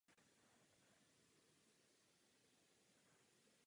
To platí také pro obyvatele Kosova.